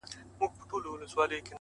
وخت د بېتوجهۍ تاوان هېڅکله نه بښي,